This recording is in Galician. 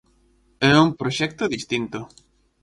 É un proxecto distinto.